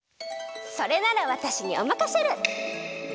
それならわたしにおまかシェル！